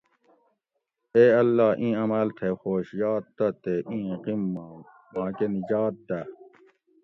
اے اللّٰہ ! اِیں عماۤل تھئ خوش یات تہ تے اِیں غِم ما ماکہۤ نجات دہ